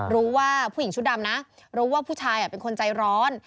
รู้ว่าผู้หญิงชุดดำนะรู้ว่าผู้ชายเป็นคนใจร้อน